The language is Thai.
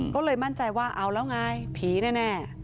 ก็เลยมั่นใจว่าเอาแล้วไงผีแน่